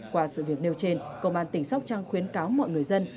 qua sự việc nêu trên công an tỉnh sóc trăng khuyến cáo mọi người dân